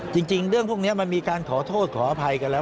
จริงเรื่องพวกนี้มันมีการขอโทษขออภัยกันแล้ว